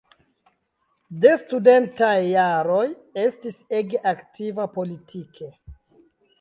De studentaj jaroj estis ege aktiva politike.